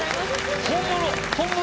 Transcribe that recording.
本物！